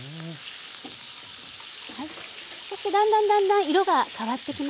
そしてだんだんだんだん色が変わってきました。